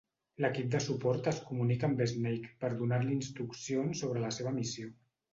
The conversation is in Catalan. L'equip de suport es comunica amb Snake per donar-li instruccions sobre la seva missió.